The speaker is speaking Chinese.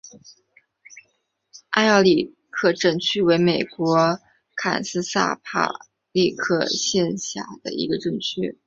埃尔克里克镇区为美国堪萨斯州里帕布利克县辖下的镇区。